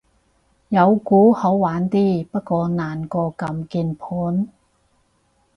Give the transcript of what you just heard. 有鼓好玩啲，不過難過撳鍵盤